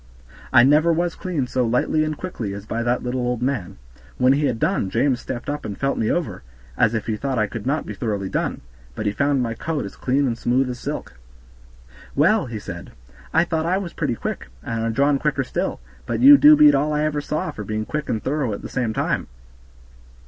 I never was cleaned so lightly and quickly as by that little old man. When he had done James stepped up and felt me over, as if he thought I could not be thoroughly done, but he found my coat as clean and smooth as silk. "Well," he said, "I thought I was pretty quick, and our John quicker still, but you do beat all I ever saw for being quick and thorough at the same time."